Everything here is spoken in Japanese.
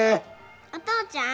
お父ちゃん？